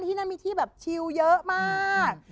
ที่นั่นมีที่แบบชิลเยอะมาก